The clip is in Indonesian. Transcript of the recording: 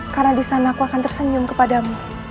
karena di sana aku akan tersenyum kepadamu